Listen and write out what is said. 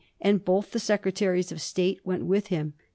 311 1723, and both the Secretaries of State went with him.